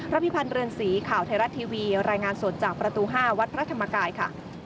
พิพันธ์เรือนสีข่าวไทยรัฐทีวีรายงานสดจากประตู๕วัดพระธรรมกายค่ะ